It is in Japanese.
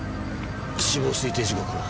死亡推定時刻は？